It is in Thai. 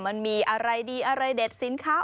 มันมีอะไรดีอะไรเด็ดสินค้า